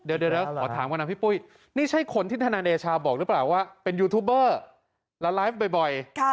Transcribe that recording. เดี๋ยวขอถามก่อนนะพี่ปุ้ยนี่ใช่คนที่ธนายเดชาบอกหรือเปล่าว่าเป็นยูทูบเบอร์แล้วไลฟ์บ่อย